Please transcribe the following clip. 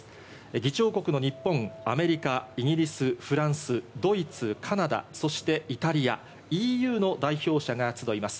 議長国の日本、アメリカ、イギリス、フランス、ドイツ、カナダ、そしてイタリア、ＥＵの代表者が集います。